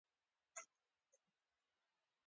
د غوښې خوړل د بدن کلسیم زیاتوي.